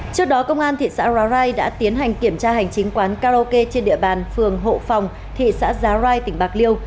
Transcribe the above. trước đó công an thị xã rai đã tiến hành kiểm tra hành chính quán karaoke trên địa bàn phường hộ phòng thị xã giá rai tỉnh bạc liêu